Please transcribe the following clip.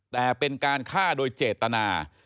แต่เป็นการฆ่าโดยเจตนา